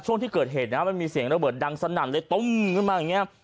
ช่วงที่เกิดเหตุนะมันมีเสียงระเบิดดังสนั่นเลยตุ้มขึ้นมาอย่างนี้